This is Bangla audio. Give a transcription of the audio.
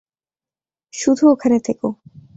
শুধু ওখানে থেকো।